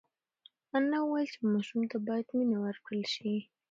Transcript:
انا وویل چې ماشوم ته باید مینه ورکړل شي.